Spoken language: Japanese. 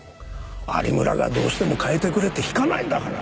有村がどうしても変えてくれって引かないんだから。